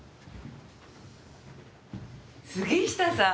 杉下さん！